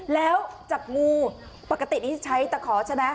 แล้วจับงูปกตินี้ใช้ตะขอใช่ไหม